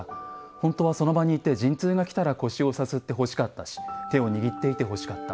本当はその場にいて陣痛がきたら腰をさすってほしかったし手を握っていてほしかった。